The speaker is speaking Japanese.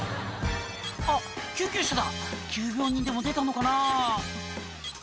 あっ救急車だ急病人でも出たのかな